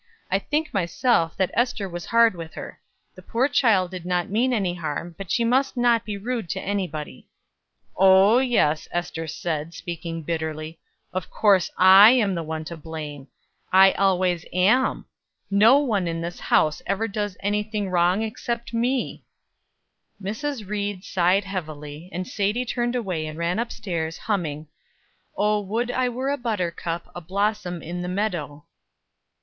I think myself that Ester was hard with her. The poor child did not mean any harm; but she must not be rude to anybody." "Oh, yes," Ester said, speaking bitterly, "of course I am the one to blame; I always am. No one in this house ever does any thing wrong except me." Mrs. Ried sighed heavily, and Sadie turned away and ran up stairs, humming: "Oh, would I were a buttercup, A blossom in the meadow."